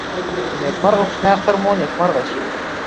نیکمرغه کوچني اختر مو نیکمرغه ښه.